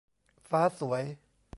ฟ้าสวย